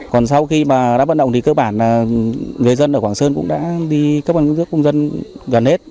còn sau khi mà đã vận động thì cơ bản là người dân ở quảng sơn cũng đã đi cấp ứng dụng công dân gần hết